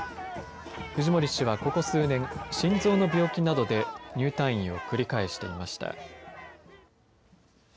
フジモリ氏はここ数年、心臓の病気などで入退院を繰り返していました。